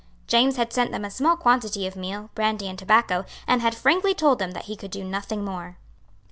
James had sent them a small quantity of meal, brandy and tobacco, and had frankly told them that he could do nothing more.